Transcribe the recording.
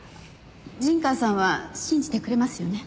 陣川さんは信じてくれますよね？